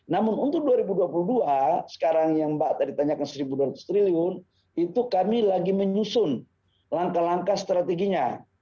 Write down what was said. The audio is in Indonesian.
namun untuk dua ribu dua puluh dua sekarang yang mbak tadi tanyakan rp satu dua ratus triliun itu kami lagi menyusun langkah langkah strateginya